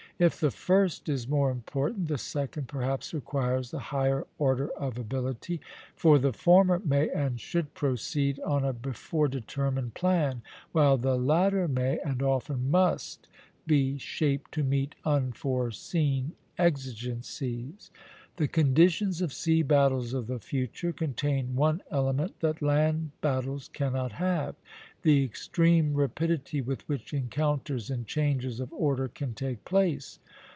If the first is more important, the second perhaps requires the higher order of ability; for the former may and should proceed on a before determined plan, while the latter may, and often must, be shaped to meet unforeseen exigencies. The conditions of sea battles of the future contain one element that land battles cannot have, the extreme rapidity with which encounters and changes of order can take place.